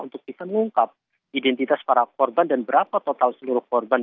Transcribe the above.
untuk bisa mengungkap identitas para korban dan berapa total seluruh korban